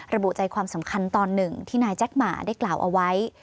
ระบุใจความสำคัญตอนหนึ่งที่นายแจ็คหมาได้กล่าวเอาไว้